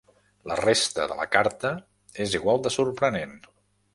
La resta de la carta és igual de sorprenent.